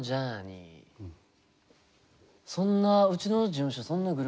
そんなうちの事務所